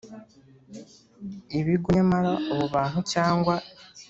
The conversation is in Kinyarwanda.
ibigo nyamara abo bantu cyangwa